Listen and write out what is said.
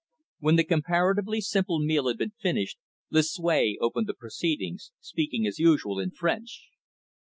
When the comparatively simple meal had been finished; Lucue opened the proceedings, speaking as usual in French.